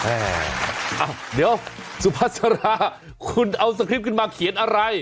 อ้าวเดี๋ยวสุภาษาราคุณเอาสคริปต์ขึ้นมาเขียนอะไร